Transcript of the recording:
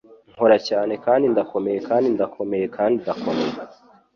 Nkora cyane kandi ndakomeye kandi ndakomeye kandi ndakomeye.